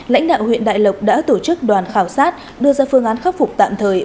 lãnh đạo huyện đại lộc đã tổ chức đoàn khảo sát đưa ra phương án khắc phục tạm thời